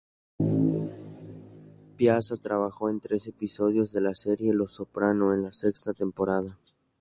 Piazza trabajó en tres episodios de la serie "Los Soprano", en la sexta temporada.